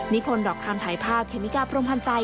นิพนิ์ดอกทางถ่ายภาพเคมิกาพรมพันธ์ใจ